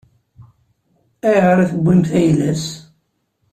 Ayɣer i tewwimt ayla-s?